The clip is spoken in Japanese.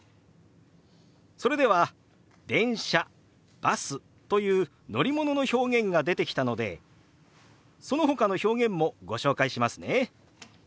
それでは「電車」「バス」という乗り物の表現が出てきたのでそのほかの表現もご紹介しますね。